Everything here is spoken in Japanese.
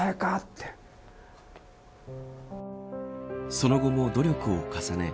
その後も努力を重ね